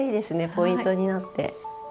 ポイントになって。